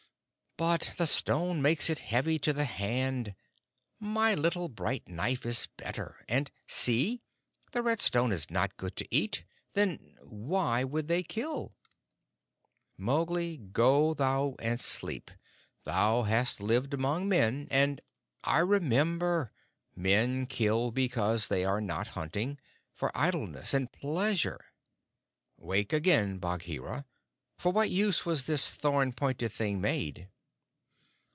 "But the stone makes it heavy to the hand. My little bright knife is better; and see! the red stone is not good to eat. Then why would they kill?" "Mowgli, go thou and sleep. Thou hast lived among men, and " "I remember. Men kill because they are not hunting; for idleness and pleasure. Wake again, Bagheera. For what use was this thorn pointed thing made?"